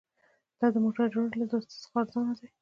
دا د موټر جوړونې له تاسیساتو څخه ارزانه دي